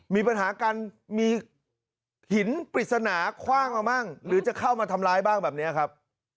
มีปัญหากันมีหินปริศนาคว่างมาบ้างหรือจะเข้ามาทำร้ายบ้างแบบนี้ครับ